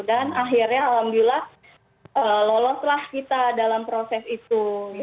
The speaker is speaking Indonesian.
dan akhirnya alhamdulillah loloslah kita dalam proses itu